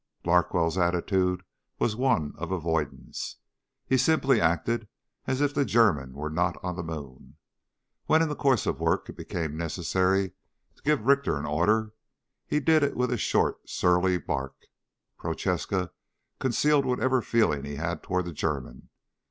Larkwell's attitude was one of avoidance. He simply acted as if the German were not on the moon. When in the course of work it became necessary to give Richter an order, he did it with a short surly bark. Prochaska concealed whatever feeling he had toward the German.